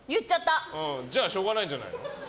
じゃあしょうがないんじゃないの？